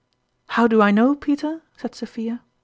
" How do I know, Peter ?" said Sophia.